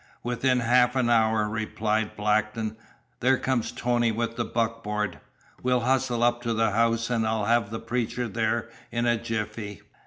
"Within half an hour," replied Blackton. "There comes Tony with the buckboard. We'll hustle up to the house and I'll have the preacher there in a jiffy."